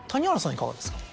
いかがですか？